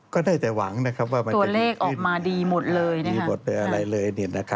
ก็ได้แต่หวังนะครับตัวเลขออกมาดีหมดเลย